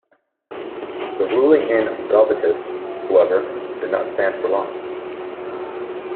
The ruling in "Gobitis", however, did not stand for long.